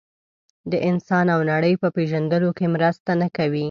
د انسان او نړۍ په پېژندلو کې مرسته نه کوي.